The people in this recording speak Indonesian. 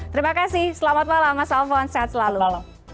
terima kasih selamat malam mas alfon sehat selalu